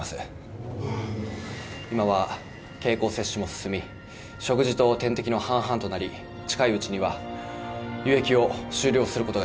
今は経口摂取も進み食事と点滴の半々となり近いうちには輸液を終了することができそうです。